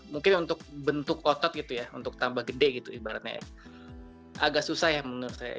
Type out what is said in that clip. mungkin untuk bentuk otot gitu ya untuk tambah gede gitu ibaratnya agak susah ya menurut saya